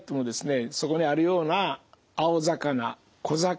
そこにあるような青魚小魚